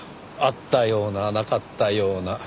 あったようななかったような。